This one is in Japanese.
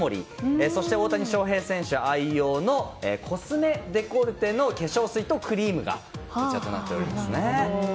そして、大谷翔平選手愛用のコスメデコルテの化粧水とクリームがこちらとなっておりますね。